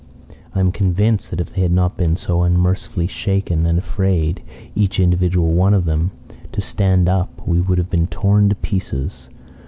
I am convinced that if they had not been so unmercifully shaken, and afraid each individual one of them to stand up, we would have been torn to pieces.